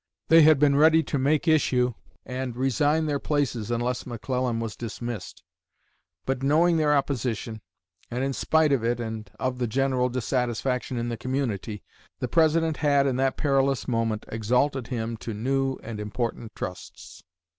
They had been ready to make issue and resign their places unless McClellan was dismissed; but knowing their opposition, and in spite of it and of the general dissatisfaction in the community, the President had in that perilous moment exalted him to new and important trusts."